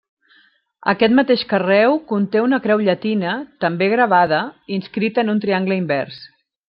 Aquest mateix carreu conté una creu llatina, també gravada, inscrita en un triangle invers.